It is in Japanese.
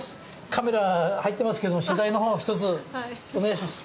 カメラ入ってますけど取材の方ひとつお願いします。